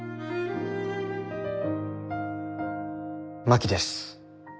真木です。